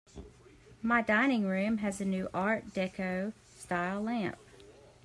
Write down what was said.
My dining room has a new art deco style lamp.